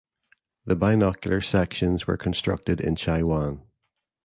The binocular sections were constructed in Chai Wan.